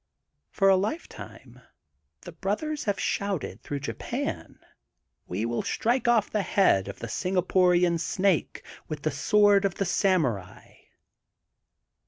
For a lifetime the brothers have shonted through Japan: We will strike oflP the head of the Singapore Snake with the Sword of the Samurai.''